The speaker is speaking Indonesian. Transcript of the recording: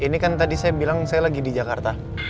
ini kan tadi saya bilang saya lagi di jakarta